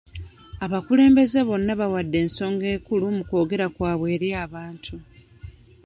Abakulembeze bonna baawadde ensonga enkulu mu kwogera kwabwe eri abantu.